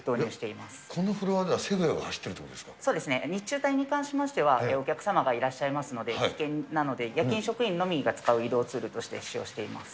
このフロアでは、セグウェイそうですね、日中帯に関しましては、お客様がいらっしゃいますので、危険なので、夜勤職員のみが使う移動ツールとして使用しています。